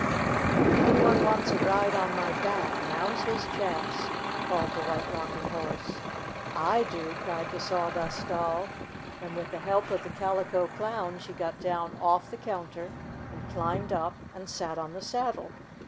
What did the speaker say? "If any one wants a ride on my back, now's his chance !" called the White Rock ing Horse. "I do!" cried the Sawdust Doll, and with the help of the Calico Clown she got down off the counter and climbed up and sat on the saddle.